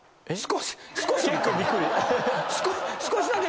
少し少し。